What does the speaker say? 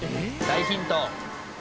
大ヒント。